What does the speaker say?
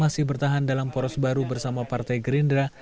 masih bertahan dalam poros baru bersama partai gerindra